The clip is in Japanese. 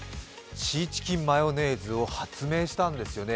シーチキンマヨネーズを発明したんですよね。